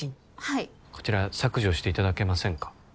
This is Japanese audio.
はいこちら削除していただけませんか？